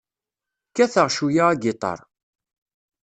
Kkateɣ cweyya agiṭar.